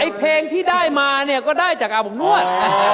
เพลงที่ได้มาเนี่ยก็ได้จากอาบอบนวด